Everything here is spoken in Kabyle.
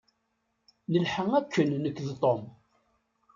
Nelḥa akken nekk d Tom.